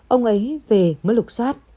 ông ấy về mới lục xoát